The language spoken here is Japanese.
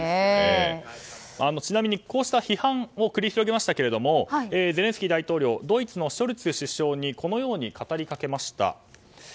ちなみにこうした批判を繰り広げましたけどもゼレンスキー大統領ドイツのショルツ首相にこのように語りかけました。